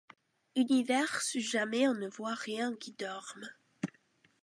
Univers où jamais on ne voit rien qui dorme